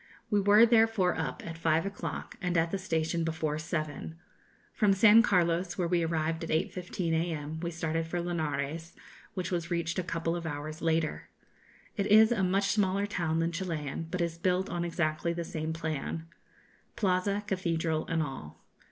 We were therefore up at five o'clock, and at the station before seven. From San Carlos, where we arrived at 8.15 a.m., we started for Linares, which was reached a couple of hours later. It is a much smaller town than Chilian, but is built on exactly the same plan Plaza, cathedral, and all.